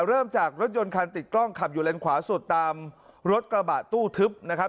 เริ่มจากรถยนต์คันติดกล้องขับอยู่เลนขวาสุดตามรถกระบะตู้ทึบนะครับ